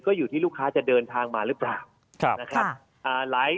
ก็อยู่ที่ลูกค้าจะเดินทางมาหรือเปล่านะครับ